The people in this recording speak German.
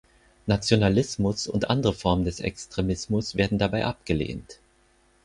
Nationalismus und andere Formen des Extremismus werden dabei abgelehnt.